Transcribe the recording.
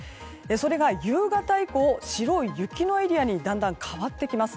それが、夕方以降白い雪のエリアにだんだん変わってきます。